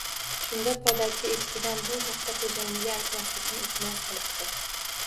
Shunda podachi Echkidan bu haqda xo‘jayiniga aytmaslikni iltimos qilibdi